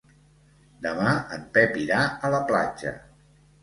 Demà en Pep irà a la platja.